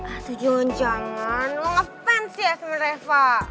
aduh jangan jangan lo nge fans ya sama reva